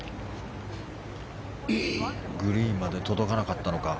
グリーンまで届かなかったのか。